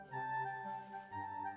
kau bisa lihat